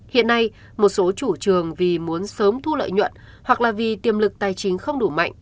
hiện nay một số chủ trường vì muốn sớm thu lợi nhuận hoặc là vì tiềm lực tài chính không đủ mạnh